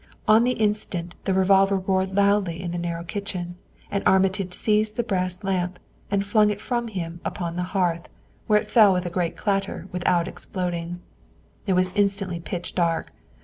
On the instant the revolver roared loudly in the narrow kitchen and Armitage seized the brass lamp and flung it from him upon the hearth, where it fell with a great clatter without exploding. It was instantly pitch dark.